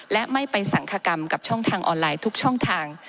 และไม่ไปสังคกรรมกับช่องทางออนไลน์ทุกช่องทาง